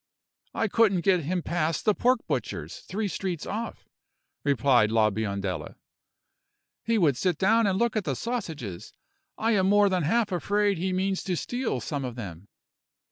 "I couldn't get him past the pork butcher's, three streets off," replied La Biondella. "He would sit down and look at the sausages. I am more than half afraid he means to steal some of them."